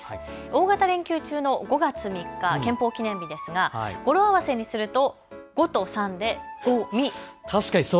大型連休中の５月３日、憲法記念日ですが語呂合わせにすると５と３でごみ。